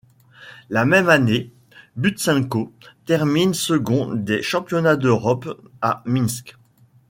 La même année, Butsenko termine second des championnats d'Europe à Minsk.